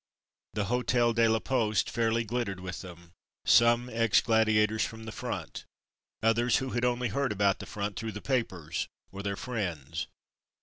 The Hotel de la Poste fairly glittered with them. Some, ex gladiators from the front ; others, who had 138 From Mud to Mufti only heard about the front through the papers or their friends.